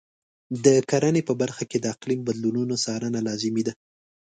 د کرنې په برخه کې د اقلیم بدلونونو څارنه لازمي ده.